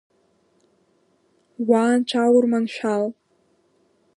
Уа анцәа урманшәал!